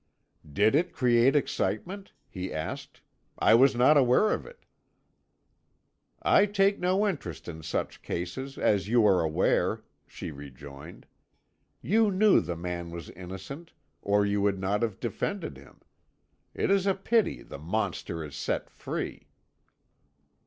"Did it create excitement?" he asked. "I was not aware of it." "I take no interest in such cases, as you are aware," she rejoined. "You knew the man was innocent, or you would not have defended him. It is a pity the monster is set free."